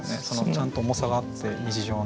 ちゃんと重さがあって日常の。